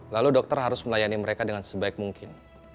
lalu dokter harus melayani mereka dengan sebaik mungkin